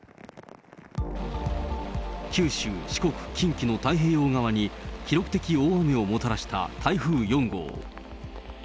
九州、四国、近畿の太平洋側に記録的大雨をもたらした台風４号。